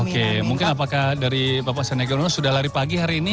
oke mungkin apakah dari bapak sandiaga uno sudah lari pagi hari ini